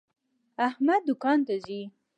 احمد دوکان ته ځي.